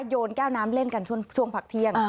โยนแก้วน้ำเล่นกันช่วงพักเที่ยง